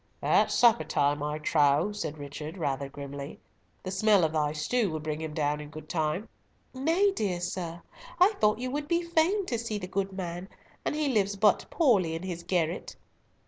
"At supper time, I trow," said Richard, rather grimly, "the smell of thy stew will bring him down in good time." "Nay, dear sir, I thought you would be fain to see the good man, and he lives but poorly in his garret."